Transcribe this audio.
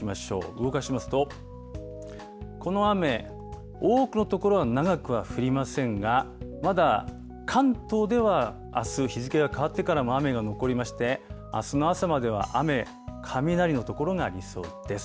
動かしますと、この雨、多くの所は長くは降りませんが、まだ関東では、あす、日付が変わってからも雨が残りまして、あすの朝までは雨、雷の所がありそうです。